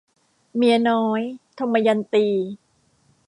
เมียน้อย - ทมยันตี